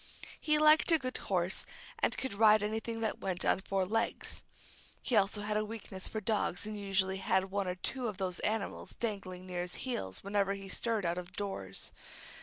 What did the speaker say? He liked a good horse, and could ride anything that went on four legs. He also had a weakness for dogs, and usually had one or two of those animals dangling near his heels whenever he stirred out of doors.